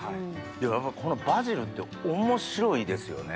やっぱこのバジルって面白いですよね。